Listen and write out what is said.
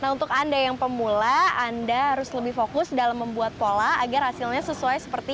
nah untuk anda yang pemula anda harus lebih fokus dalam membuat pola agar hasilnya sesuai seperti